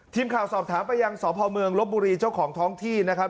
ทีมข่าวสอบถามไปยังสพเมืองลบบุรีเจ้าของท้องที่นะครับ